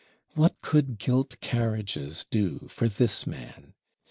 What could gilt carriages do for this man?